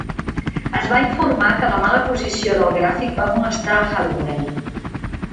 Es va informar que la mala posició del gràfic va molestar a Halliwell.